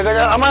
kenapa sih mak